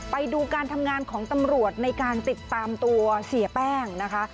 ไปดูการทำงานของตำรวจในการติดตามตัวเสียแป้งนะคะ